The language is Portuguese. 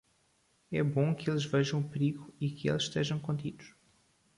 É bom que eles vejam o perigo e que eles estejam contidos.